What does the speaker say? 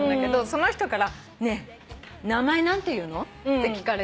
その人から「ねえ名前何ていうの？」って聞かれて。